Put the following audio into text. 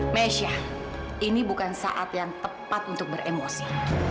mesha ini bukan saat yang tepat untuk beremosi